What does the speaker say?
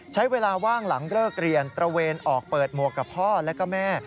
ใช้เวลาว่างหลังเลิกเรียนตระเวนออกเปิดหมวกกับพ่อและก็แม่